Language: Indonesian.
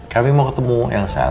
kami mau ketemu elsa